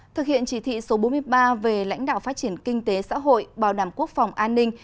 thực hiện chỉ thị số bốn mươi ba về lãnh đạo phát triển kinh tế xã hội bảo đảm quốc phòng an ninh